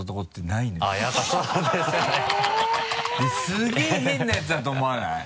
すげぇ変なヤツだと思わない？